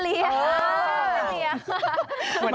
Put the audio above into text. โปรอินเตอร์แล้วนะ